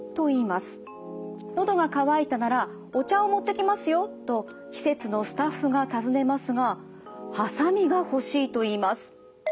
「のどが渇いたならお茶を持ってきますよ」と施設のスタッフが尋ねますがハサミがほしいと言います。